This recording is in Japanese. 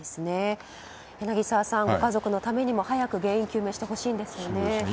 柳澤さん、家族のためにも早く原因究明してほしいですね。